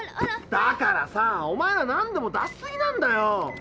だからさおまえはなんでも出しすぎなんだよ！